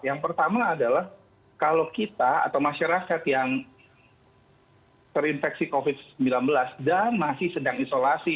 yang pertama adalah kalau kita atau masyarakat yang terinfeksi covid sembilan belas dan masih sedang isolasi